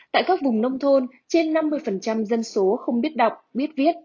tại các vùng nông thôn trên năm mươi dân số không biết đọc biết viết